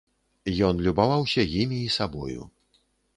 Ён любаваўся імі і сабою.